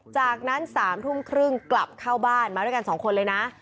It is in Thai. จากนั้น๓ทุ่มครึ่งกลับเข้าบ้านมาด้วยกัน๒คนเลยนะ